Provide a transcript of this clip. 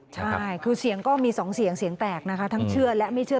ใช่คือเสียงก็มีสองเสียงเสียงแตกนะคะทั้งเชื่อและไม่เชื่อ